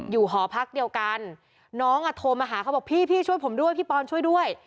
หอพักเดียวกันน้องอ่ะโทรมาหาเขาบอกพี่พี่ช่วยผมด้วยพี่ปอนช่วยด้วย